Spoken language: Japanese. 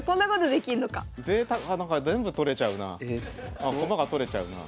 あ馬が取れちゃうなあ。